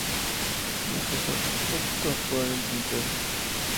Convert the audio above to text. Microsoft optó por Intel.